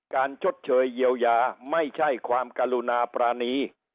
ชดเชยเยียวยาไม่ใช่ความกรุณาปรานี